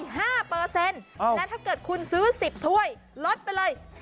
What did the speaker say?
และถ้าเกิดคุณซื้อ๑๐ถ้วยลดไปเลย